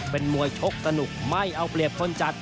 เป็นมวยชกสนุกไม่เอาเปรียบคนจัด